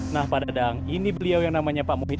nah pak dadang ini beliau yang namanya pak muhid